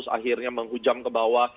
akhirnya menghujam ke bawah